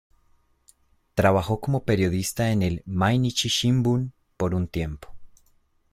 Trabajó como periodista en el Mainichi Shimbun por un tiempo.